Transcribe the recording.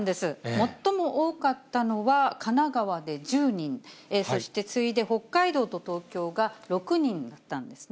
最も多かったのは神奈川で１０人、そして次いで北海道と東京が６人だったんですね。